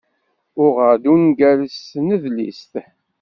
Uɣeɣ-d ungal si tnedlist.